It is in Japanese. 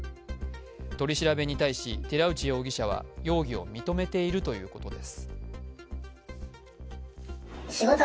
取り調べに対し寺内容疑者は容疑を認めているということです。